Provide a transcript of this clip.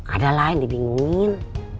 ada lah yang dibingungin